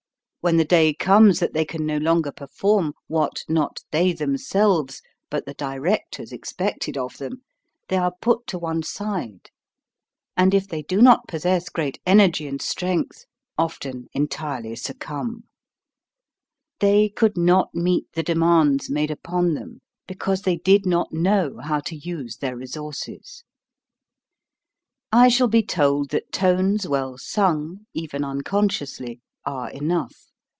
When the day comes that they can no longer perform what not they themselves but the directors expected of them, they are put to one side, and if they do not possess great energy and strength, often entirely v succumb. They could not meet the demands made upon them, because they did not know how to use their resources. I shall be told that tones well sung, even unconsciously, are enough.